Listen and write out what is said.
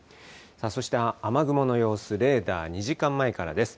そして雨雲の様子、レーダー、２時間前からです。